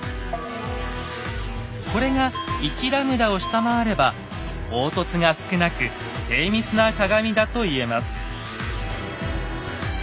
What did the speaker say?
これが１λを下回れば凹凸が少なく精密な鏡だと言えます。